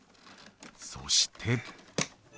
そして。